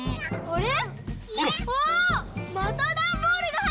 これ。